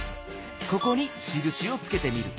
ここにしるしをつけてみる。